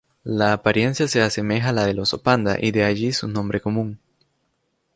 La apariencia se asemeja la del oso panda y de allí su nombre común.